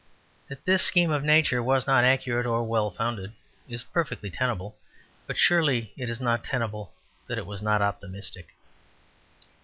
That this scheme of Nature was not accurate or well founded is perfectly tenable, but surely it is not tenable that it was not optimistic.